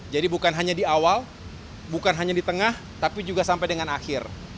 jadi bukan hanya di awal bukan hanya di tengah tapi juga sampai dengan akhir